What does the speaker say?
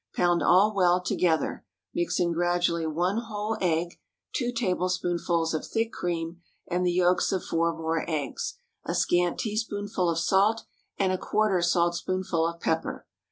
Pound all well together; mix in gradually one whole egg, two tablespoonfuls of thick cream, and the yolks of four more eggs, a scant teaspoonful of salt, and a quarter saltspoonful of pepper.